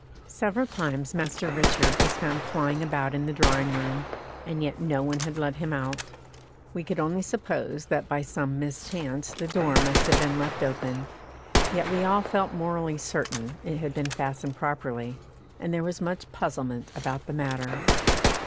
Several times Master Richard was found flying about in the drawing room, and yet no one had let him out; we could only suppose that by some mischance the door must have been left open; yet we all felt morally certain it had been fastened properly, and there was much puzzlement about the matter.